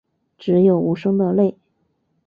只有无声的泪